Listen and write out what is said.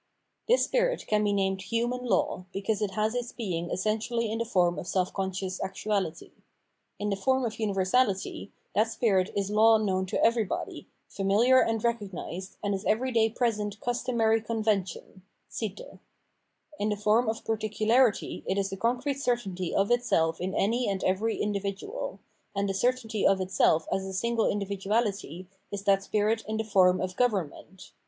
This spirit can be named Human Law, because it has its being essentially in the form of self con scious actuality. In the form of universahty, that spirit is law known to everybody, familiar and recog nised, and is every day present Customary Convention {Sitte) ; in the form of particularity it is the concrete certainty of itself in any and every individual ; and the certainty of itself as a single individuahty is that spirit in the form of Government.